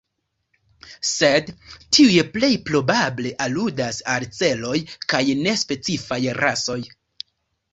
Sed tiuj plej probable aludas al celoj kaj ne specifaj rasoj.